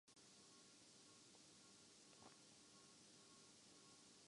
تو پنجاب پولیس میں بہتری آئے گی۔